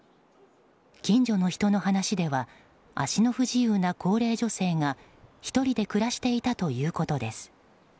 近所の人の話では足の不自由な高齢女性が１人で暮らしていたということです。